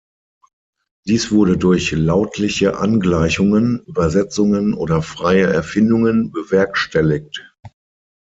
Dies wurde durch lautliche Angleichungen, Übersetzungen oder freie Erfindungen bewerkstelligt.